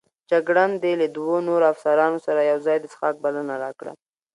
جګړن د له دوو نورو افسرانو سره یوځای د څښاک بلنه راکړه.